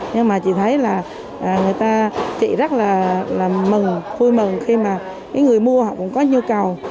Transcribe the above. nhưng mà chị thấy là người ta chị rất là mừng vui mừng khi mà những người mua họ cũng có nhu cầu